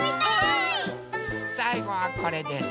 さいごはこれです。